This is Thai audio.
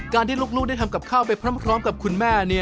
ที่ลูกได้ทำกับข้าวไปพร้อมกับคุณแม่